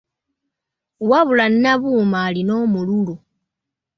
Wabula Nabuuma alina omululu!